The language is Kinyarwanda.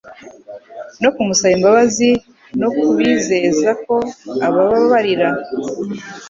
no kumusaba imbabazi no kubizeza ko abababarira